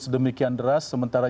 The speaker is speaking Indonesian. sedemikian deras sementara